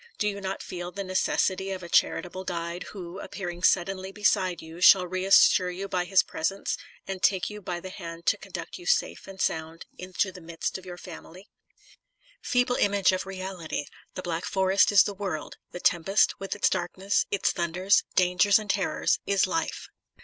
Do you not feel the necessity of a charitable guide, who, appearing suddenly beside you, shall reassure you by his presence, and take >ou by the hand to conduct you safe and sound into the midst of your family? Feeble image of the reality! The Black Forest is the world ; the tempest, with its darkness, its thunders, dangers and terrors, is .life.